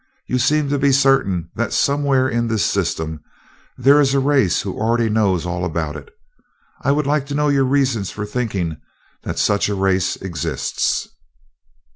You seem to be certain that somewhere in this system there is a race who already knows all about it. I would like to know your reasons for thinking that such a race exists."